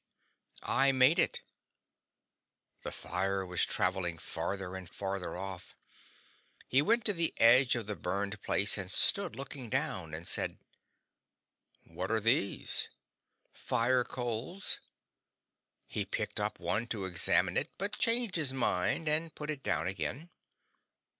"I made it." The fire was traveling farther and farther off. He went to the edge of the burned place and stood looking down, and said: "What are these?" "Fire coals." He picked up one to examine it, but changed his mind and put it down again.